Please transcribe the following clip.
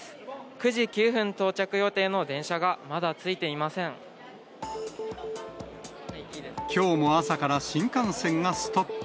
９時９分到着予定の電車が、きょうも朝から新幹線がストップ。